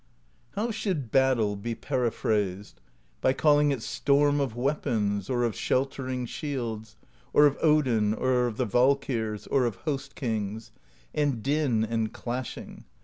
"How should battle be periphrased? By calling it Storm of Weapons or of Sheltering Shields, or of Odin or the Valkyrs, or of Host Kings; and Din and Clashing.